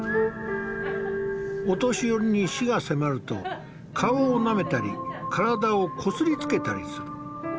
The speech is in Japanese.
お年寄りに死が迫ると顔をなめたり体をこすりつけたりする。